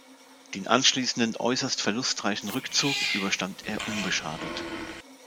Den anschließenden, äußerst verlustreichen Rückzug überstand er unbeschadet.